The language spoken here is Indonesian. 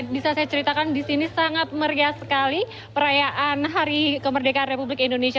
bisa saya ceritakan di sini sangat meriah sekali perayaan hari kemerdekaan republik indonesia